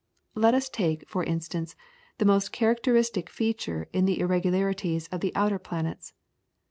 Let us take, for instance, the most characteristic feature in the irregularities of the outer planets.